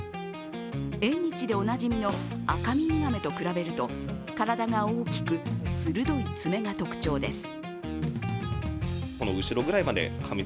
縁日でおなじみのアカミミガメと比べると体が大きく、鋭い爪が特徴です。